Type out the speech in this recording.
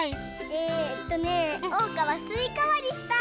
えっとねおうかはすいかわりしたい！